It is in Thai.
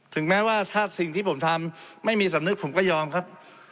ถึงแม้ว่าถ้าสิ่งที่ผมทำไม่มีสำนึกผมก็ยอมครับ